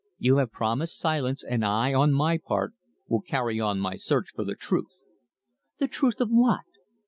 You have promised silence, and I, on my part, will carry on my search for the truth." "The truth of what?"